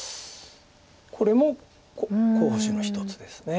これも候補手の一つです。